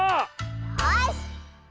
よし！